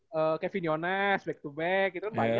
terus kevin yones back to back itu kan banyak loh